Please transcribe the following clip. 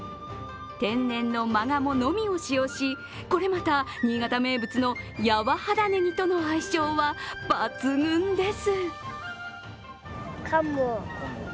天然のマガモのみを使用しこれまた新潟名物のやわ肌ねぎとの相性は抜群です。